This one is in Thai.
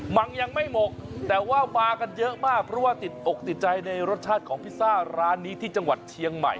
ยังไม่หมดแต่ว่ามากันเยอะมากเพราะว่าติดอกติดใจในรสชาติของพิซซ่าร้านนี้ที่จังหวัดเชียงใหม่